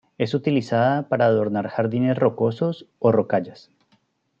Es utilizada para adornar jardines rocosos o rocallas.